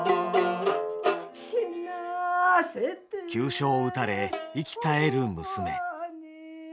死なせて急所を打たれ息絶える娘。